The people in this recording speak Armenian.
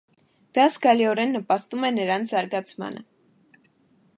Դա զգալիորեն նպաստում է նրանց զարգացմանը։